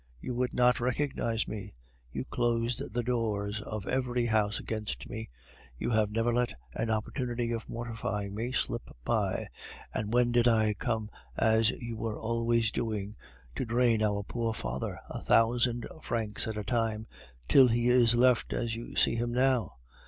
You would not recognize me; you closed the doors of every house against me; you have never let an opportunity of mortifying me slip by. And when did I come, as you were always doing, to drain our poor father, a thousand francs at a time, till he is left as you see him now?